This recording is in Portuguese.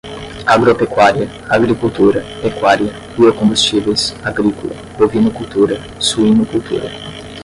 agropecuária, agricultura, pecuária, biocombustíveis, agrícola, bovinocultura, suinocultura